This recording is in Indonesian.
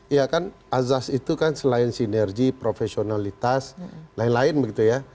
ya kan azaz itu kan selain sinergi profesionalitas lain lain begitu ya